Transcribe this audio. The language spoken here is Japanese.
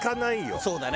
そうだね。